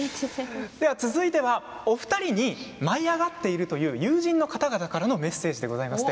続いてはお二人に舞い上がっているという友人の方々からのメッセージです。